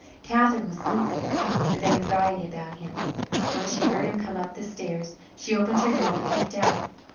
Catherine was sleepless with anxiety about him. When she heard him come up the stairs, she opened her door and peeped out.